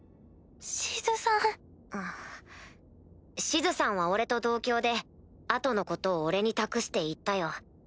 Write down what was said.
シズさんは俺と同郷で後のことを俺に託して逝ったよ。